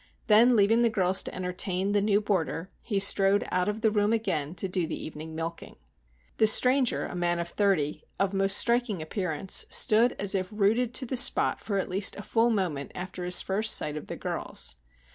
Then leaving the girls to entertain the new boarder, he strode out of the room again to do the evening milking. The stranger, a man of thirty, of most striking appearance, stood as if rooted to the spot for at least a full moment after his first sight of the girls.